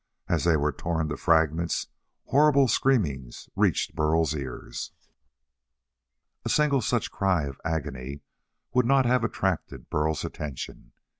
As they were torn to fragments, horrible screamings reached Burl's ears. A single such cry of agony would not have attracted Burl's attention.